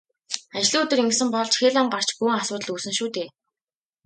Ажлын өдөр ингэсэн бол ч хэл ам гарч бөөн асуудал үүснэ шүү дээ.